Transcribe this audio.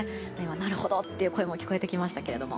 なるほどという声も聞こえてきましたけれども。